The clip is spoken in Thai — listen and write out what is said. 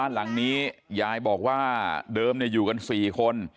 หลังนี้ยายบอกว่าเดิมอยู่กัน๔คน